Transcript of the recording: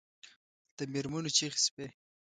د مېرمنو چیغې شوې.